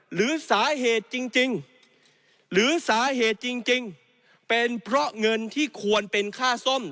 หรือสาเหตุจริงหรือสาเหตุจริงเป็นเพราะเงินที่ควรเป็นค่าซ่อม